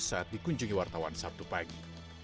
saat dikunjungi wartawan sabtu pagi